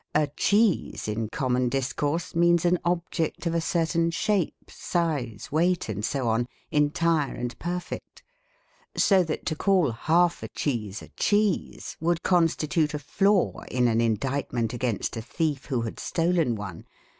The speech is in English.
A cheese, in common discourse, means an object of a certain shape, size, weight, and so on, entire and perfect; so that to call half a cheese a cheese, would constitute a flaw in an indictment against a thief who had stolen one.